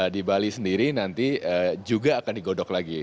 di bali sendiri nanti juga akan digodok lagi